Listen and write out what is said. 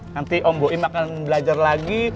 nanti om boim akan belajar lagi